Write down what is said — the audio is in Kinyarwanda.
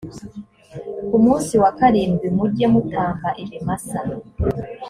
ku munsi wa karindwi mujye mutamba ibimasa